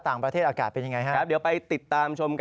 ต่างประเทศอากาศเป็นยังไงครับ